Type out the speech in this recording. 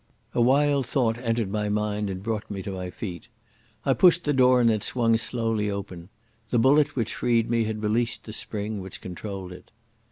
A wild thought entered my mind and brought me to my feet. I pushed the door and it swung slowly open. The bullet which freed me had released the spring which controlled it.